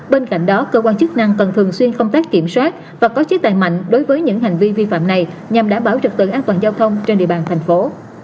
bên cạnh đó cơ quan chức năng cần thường xuyên công tác kiểm soát và có chế tài mạnh đối với những hành vi vi phạm này nhằm đảm bảo trực tự an toàn giao thông trên địa bàn thành phố